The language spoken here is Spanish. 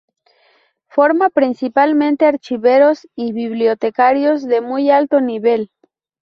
Forma principalmente archiveros y bibliotecarios de muy alto nivel.